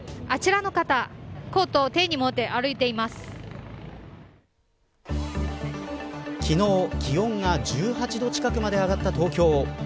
あちらの方コートを昨日、気温が１８度近くまで上がった東京。